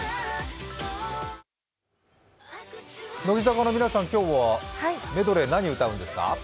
乃木坂の皆さん、今日はメドレー何歌うんですか？